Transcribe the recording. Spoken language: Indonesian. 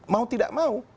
mau tidak mau